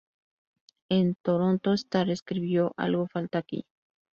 El "Toronto Star" escribió: "Algo falta aquí.